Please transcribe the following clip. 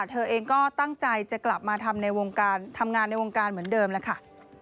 เธอเองก็ตั้งใจจะกลับมาทำในวงการทำงานในวงการเหมือนเดิมแล้วค่ะ